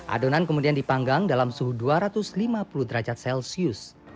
adonan kemudian dipanggang dalam suhu dua ratus lima puluh derajat celcius